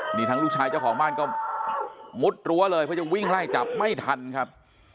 นี่ทั้งลูกชายเจ้าของบ้านก็มุดรั้วเลยเพื่อจะวิ่งไล่จับไม่ทันครับ